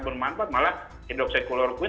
bermanfaat malah endoksekuler queen